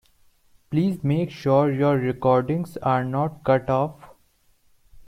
Please make sure your recordings are not cut off.